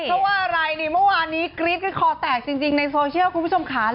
เพราะว่าอะไรนี่เมื่อวานนี้กรี๊ดกันคอแตกจริงในโซเชียลคุณผู้ชมค่ะ